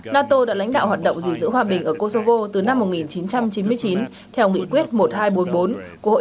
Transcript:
nato đã lãnh đạo hoạt động gìn giữ hòa bình ở kosovo từ năm một nghìn chín trăm chín mươi chín theo nghị quyết một nghìn hai trăm bốn mươi bốn của hội